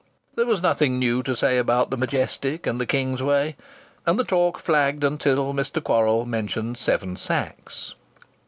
There was nothing new to say about the Majestic and the Kingsway, and the talk flagged until Mr. Quorrall mentioned Seven Sachs.